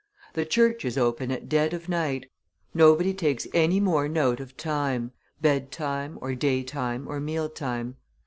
The churches open at dead of night; nobody takes any more note of time, bed time, or day time, or meal time.